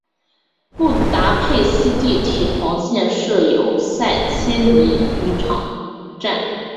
布达佩斯地铁黄线设有塞切尼浴场站。